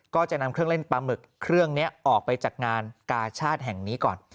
ก็จะนำเครื่องเล่นปลาหมึกเครื่องนี้ออกไปจากงานกาชาติแห่งนี้ก่อน